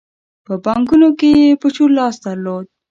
په بانکونو کې یې په چور لاس درلود.